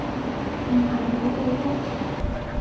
唔係好記得